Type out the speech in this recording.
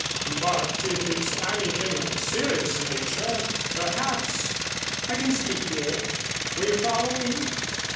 But if it's anything of a serious nature perhaps " "I can speak here will you follow me?"